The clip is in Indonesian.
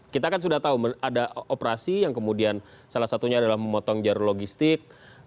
kita kan sudah tahu ada operasi yang kemudian salah satunya adalah memotong jarum logistik